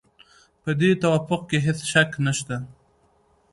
په دې توافق کې هېڅ شک نشته.